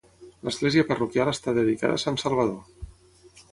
L'església parroquial està dedicada a Sant Salvador.